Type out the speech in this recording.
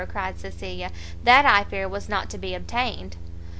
cried Cecilia, "that, I fear, was not to be obtained!"